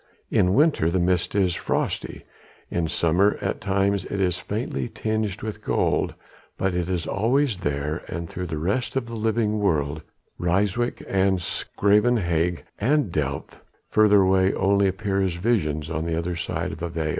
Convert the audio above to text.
In winter the mist is frosty, in summer at times it is faintly tinged with gold, but it is always there and through it the rest of the living world Ryswyk and 'S Graven Hage and Delft further away only appear as visions on the other side of a veil.